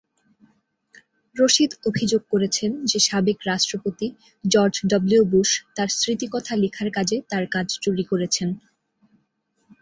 রশিদ অভিযোগ করেছেন যে সাবেক রাষ্ট্রপতি জর্জ ডব্লিউ বুশ তার স্মৃতিকথা লেখার কাজে তার কাজ চুরি করেছেন।